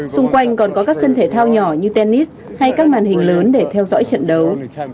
xung quanh còn có các sân thể thao nhỏ như tennis hay các màn hình lớn để theo dõi trận đấu